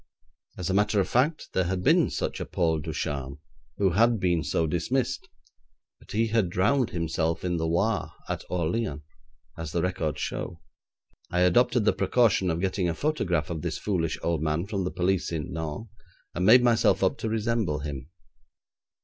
As a matter of fact there had been such a Paul Ducharme, who had been so dismissed, but he had drowned himself in the Loire, at Orleans, as the records show. I adopted the precaution of getting a photograph of this foolish old man from the police at Nantes, and made myself up to resemble him.